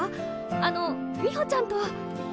あの美穂ちゃんと。